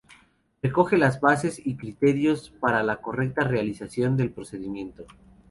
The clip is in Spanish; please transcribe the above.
Recoge las bases y criterios para la correcta realización del procedimiento.